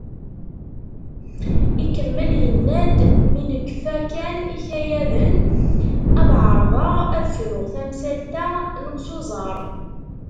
Ikemmel yenna-d: “Mi nekfa kan ikayaden, ad ɛerḍeɣ ad fruɣ tamsalt-a s uẓar."